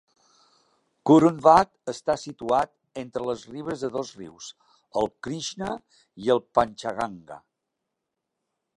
Kurundwad està situat entre les ribes de dos rius, el Krishna i el Panchaganga.